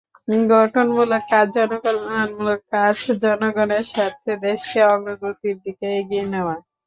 গঠনমূলক কাজ, জনকল্যাণমূলক কাজ, জনগণের স্বার্থে দেশকে অগ্রগতির দিকে এগিয়ে নেওয়া।